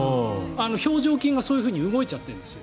表情筋がそういうふうに動いちゃってるんですよ。